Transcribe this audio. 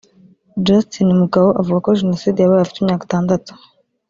Justin Mugabo avuga ko jenoside yabaye afite imyaka itandatu